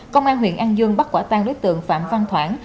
công an huyện an dương bắt quả tang đối tượng phạm văn thoảng